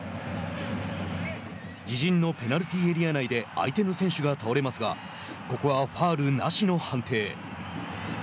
自陣のペナルティーエリア内で相手の選手が倒れますがここはファウルなしの判定。